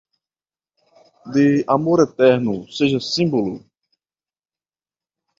De amor eterno seja símbolo